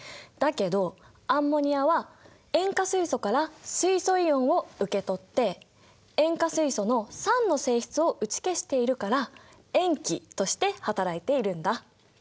だけどアンモニアは塩化水素から水素イオンを受け取って塩化水素の酸の性質を打ち消しているから塩基として働いているんだ。